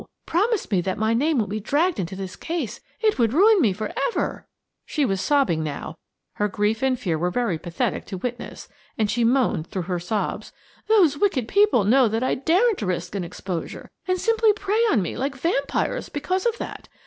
Promise me that my name won't be dragged into this case. It would ruin me for ever!" She was sobbing now; her grief and fear were very pathetic to witness, and she moaned through her sobs: "Those wicked people know that I daren't risk an exposure, and simply prey on me like vampires because of that.